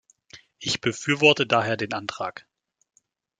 Ich befürworte daher den Antrag.